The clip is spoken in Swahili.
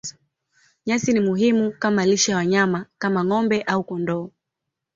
Nyasi ni muhimu kama lishe ya wanyama kama ng'ombe au kondoo.